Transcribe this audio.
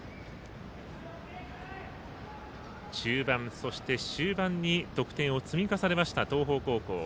中盤、そして終盤に得点を積み重ねました東邦高校。